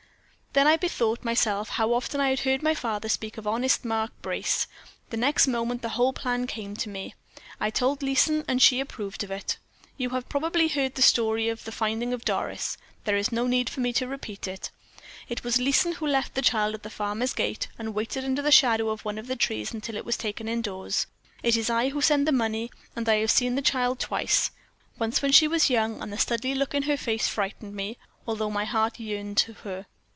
"Then I bethought myself how often I had heard my father speak of honest Mark Brace. The next moment the whole plan came to me. I told Leeson, and she approved of it. You have probably heard the story of the finding of Doris; there is no need for me to repeat it. It was Leeson who left the child at the farmer's gate, and waited under the shadow of the trees until it was taken indoors; it is I who send the money; and I have seen the child twice once when she was young, and the Studleigh look in her face frightened me, although my heart yearned to her.